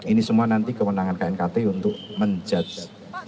ini semua nanti kemenangan knkt untuk menjatuhkan